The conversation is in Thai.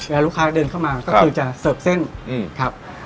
แล้วลูกค้าเดินเข้ามาก็คือจะเสิร์ฟเส้นครับ